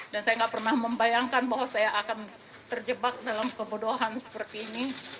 dan saya nggak pernah membayangkan bahwa saya akan terjebak dalam kebodohan seperti ini